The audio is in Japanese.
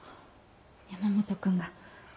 山本君が。